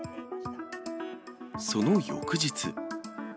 その翌日。